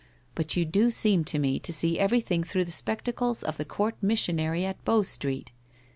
But you do seem to me to see everything through the spectacles of the court missionary at Bow Street.